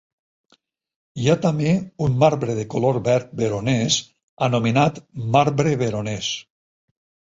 Hi ha també un marbre de color verd veronès anomenat marbre veronès.